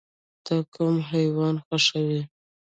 ته کوم حیوان خوښوې؟